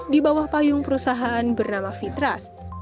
di bawah payung perusahaan bernama fitras